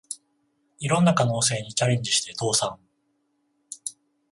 いろんな可能性にチャレンジして倒産